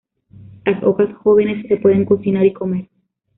Las hojas jóvenes se pueden cocinar y comer.